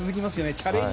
チャレンジ